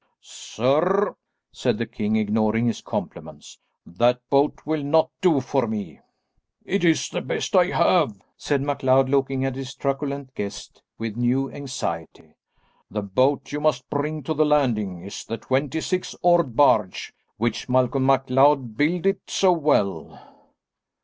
"Sir," said the king ignoring his compliments, "that boat will not do for me." "It is the best I have," said MacLeod looking at his truculent guest with new anxiety. "The boat you must bring to the landing is the twenty six oared barge, which Malcolm MacLeod builded so well."